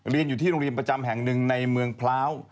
เรียนอยู่ที่โรงเรียนประจำแห่งหนึ่งในเมืองพร้าว